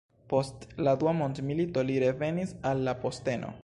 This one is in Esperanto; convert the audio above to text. Post la Dua Mondmilito li revenis al la posteno.